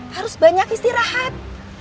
harus banyak istirahat